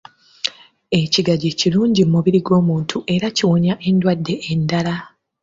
Ekigagi kirungi mu mubiri gw’omuntu era kiwonya endwadde endala.